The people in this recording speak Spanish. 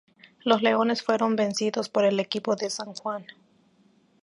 Los Leones fueron vencidos por el equipo de San Juan.